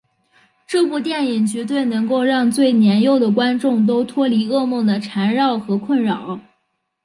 这部电影绝对能够让最年幼的观众都脱离噩梦的缠绕和困扰。